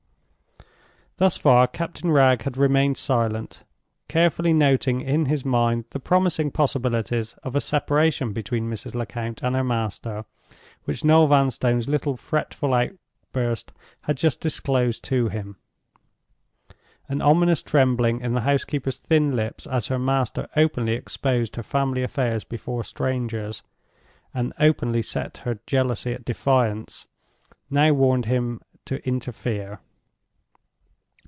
Thus far Captain Wragge had remained silent; carefully noting in his mind the promising possibilities of a separation between Mrs. Lecount and her master which Noel Vanstone's little fretful outbreak had just disclosed to him. An ominous trembling in the housekeeper's thin lips, as her master openly exposed her family affairs before strangers, and openly set her jealously at defiance, now warned him to interfere.